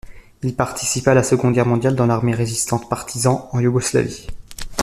Il participa à la Seconde Guerre mondiale dans l'armée résistante Partisans en Yougoslavie.